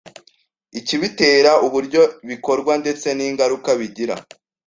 ikibitera, uburyo bikorwa ndetse n’ingaruka bigira